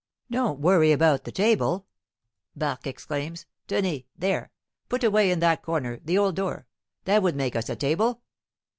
"Don't worry about the table," Barque exclaims. "Tenez! there, put away in that corner, the old door; that would make us a table."